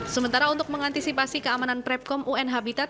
sementara untuk mengantisipasi keamanan prepkom un habitat